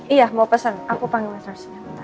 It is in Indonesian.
iya mau pesen aku panggil masters